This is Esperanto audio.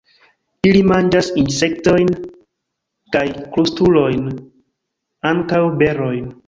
Ili manĝas insektojn kaj krustulojn; ankaŭ berojn.